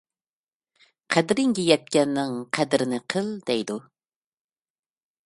قەدرىڭگە يەتكەننىڭ قەدرىنى قىل دەيدۇ.